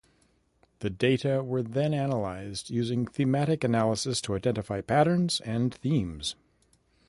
The data were then analyzed using thematic analysis to identify patterns and themes.